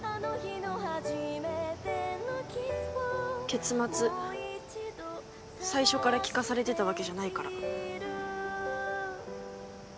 結末最初から聞かされてたわけじゃないから。